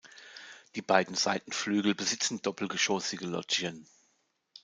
Die beiden Seitenflügel besitzen doppelgeschossige Loggien.